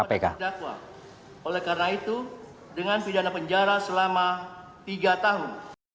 oleh karena itu dengan pidana penjara selama tiga tahun